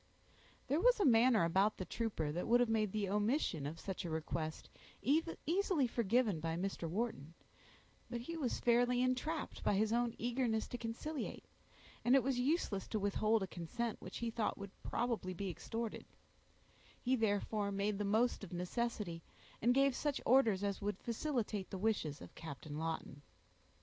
There was a manner about the trooper that would have made the omission of such a request easily forgiven by Mr. Wharton, but he was fairly entrapped by his own eagerness to conciliate, and it was useless to withhold a consent which he thought would probably be extorted; he therefore made the most of necessity, and gave such orders as would facilitate the wishes of Captain Lawton.